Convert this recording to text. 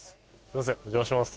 お邪魔します。